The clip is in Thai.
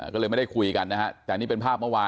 ก็เลยไม่ได้คุยกันนะฮะ